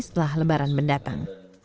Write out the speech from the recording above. setelah lebaran mendatang